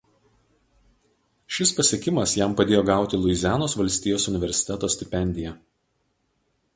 Šis pasiekimas jam padėjo gauti Luizianos valstijos universiteto stipendiją.